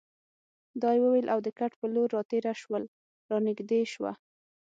دا یې وویل او د کټ په لور راتېره شول، را نږدې شوه.